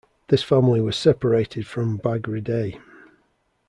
This family was separated from Bagridae.